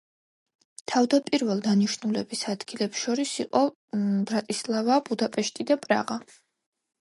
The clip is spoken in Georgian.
თავდაპირველ დანიშნულების ადგილებს შორის იყო: ბრატისლავა, ბუდაპეშტი და პრაღა.